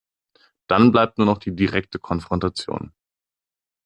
Dann bleibt nur noch die direkte Konfrontation.